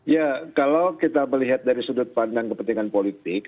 ya kalau kita melihat dari sudut pandang kepentingan politik